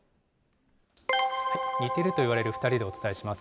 似ているといわれる２人でお伝えします。